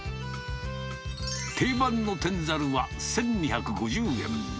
定番の天ざるは１２５０円。